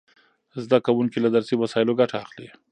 زده کوونکي له درسي وسایلو ګټه اخلي.